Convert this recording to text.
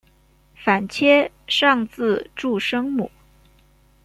反切上字注声母。